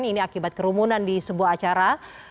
ini akibat kerumunan di sebuah acara